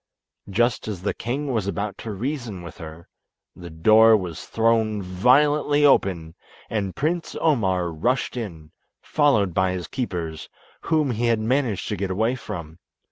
Just as the king was about to reason with her, the door was thrown violently open, and Prince Omar rushed in, followed by his keepers, whom he had managed to get away from.